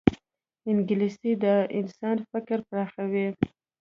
انګلیسي د انسان فکر پراخوي